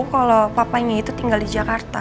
kalau papanya itu tinggal di jakarta